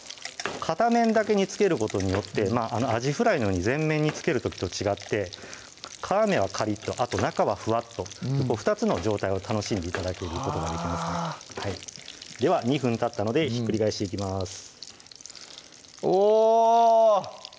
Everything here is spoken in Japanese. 片面だけに付けることによってアジフライのように全面に付ける時と違って皮目はかりっとあと中はふわっと２つの状態を楽しんで頂けることができますねでは２分たったのでひっくり返していきますおぉ！